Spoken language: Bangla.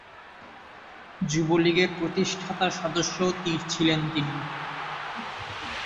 যুবলীগের প্রতিষ্ঠাতা সদস্যও ছিলেন তিনি।